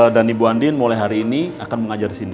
dan bu andin mulai hari ini akan mengajar di sini